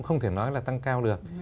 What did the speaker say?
không thể nói là tăng cao được